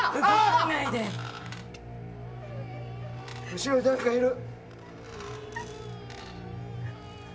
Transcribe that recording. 後ろに誰かいる。